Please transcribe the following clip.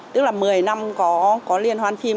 tức là một mươi năm có liên hoan phim